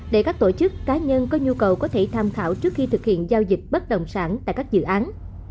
để các tổ chức cá nhân có nhu cầu có thể tham khảo trước khi thực hiện giao dịch bất đồng sản tại các dự án